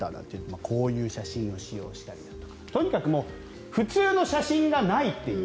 こういう写真を使用したりだとかとにかく普通の写真がないという。